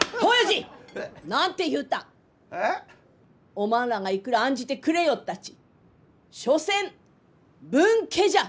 おまんらがいくら案じてくれよったち所詮分家じゃ！